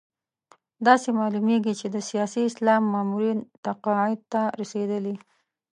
داسې معلومېږي چې د سیاسي اسلام مامورین تقاعد ته رسېدلي.